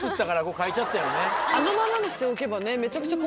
あのままにしておけばね。